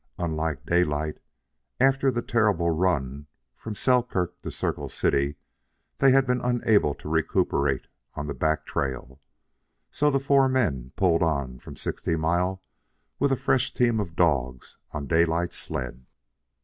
Unlike Daylight, after the terrible run from Selkirk to Circle City, they had been unable to recuperate on the back trail. So the four men pulled on from Sixty Mile with a fresh team of dogs on Daylight's sled.